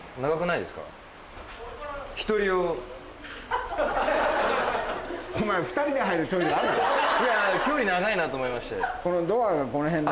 いやいや距離長いなと思いまして。